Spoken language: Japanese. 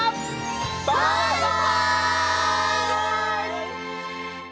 バイバイ！